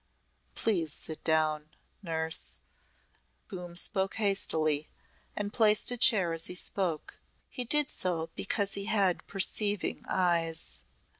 "Please sit down, Nurse," Coombe spoke hastily and placed a chair as he spoke. He did so because he had perceiving eyes.